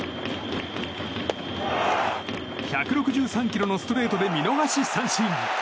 １６３キロのストレートで見逃し三振。